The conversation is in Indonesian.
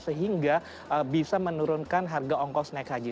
sehingga bisa menurunkan harga ongkos naik haji